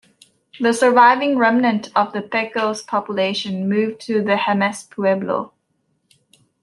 The surviving remnant of the Pecos population moved to the Jemez Pueblo.